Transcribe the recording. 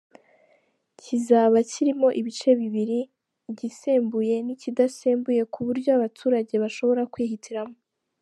Kizaba kirimo ibice bibiri, igisembuye n’ikidasembuye ku buryo abaturage bashobora kwihitiramo.